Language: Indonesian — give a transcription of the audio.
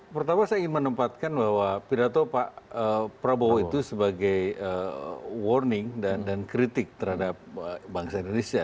pertama saya ingin menempatkan bahwa pidato pak prabowo itu sebagai warning dan kritik terhadap bangsa indonesia